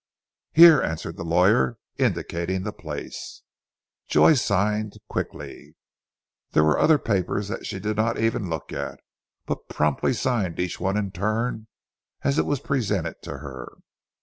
"Here!" answered the lawyer, indicating the place. Joy signed quickly. There were other papers that she did not even look at, but promptly signed each one in turn, as it was presented to her.